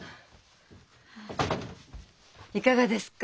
いかがですか？